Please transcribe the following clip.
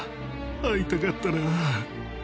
会いたかったな